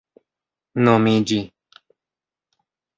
nomiĝi